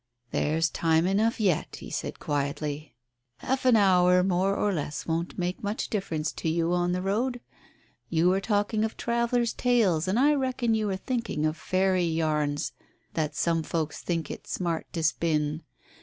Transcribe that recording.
"There's time enough yet," he said quietly. "Half an hour more or less won't make much difference to you on the road. You were talking of travellers' tales, and I reckon you were thinking of fairy yarns that some folks think it smart to spin.